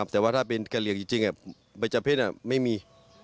แต่ว่าถ้าเป็นกะเหลี่ยงจริงใบเจ้าเพศไม่มี